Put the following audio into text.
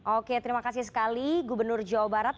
oke terima kasih sekali gubernur jawa barat